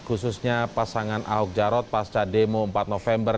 khususnya pasangan ahok jarot pasca demo empat november